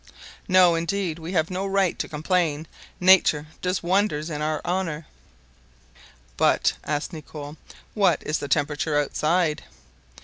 No, indeed! we have no right to complain; nature does wonders in our honor." "But," asked Nicholl, "what is the temperature outside?"